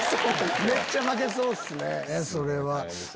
めっちゃ負けそうっすね。